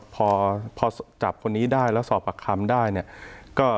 พอจับคนนี้ได้แล้วสอบปากคำได้เนี่ย